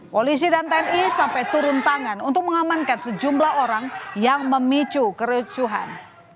polisi dan tni sampai turun tangan untuk mengamankan sejumlah orang yang memicu kericuhan